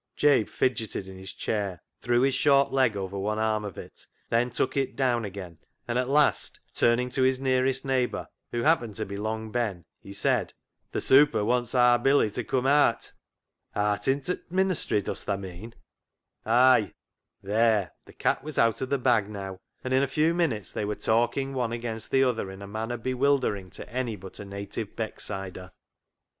Jabe fidgeted in his chair, threw his short leg over one arm of it, then took it down again, and at last, turning to his nearest neighbour, who happened to be Long Ben, he said —" Th' ' super ' wants aar Billy to cum aat." " Aat into t' ministry, does tha mean ?" 48 CLOG SHOP CHRONICLES " Ay !" There ; the cat was out of the bag now, and in a few minutes they were talking one against the other in a manner bewildering to any but a native Becksider.